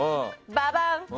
ババン！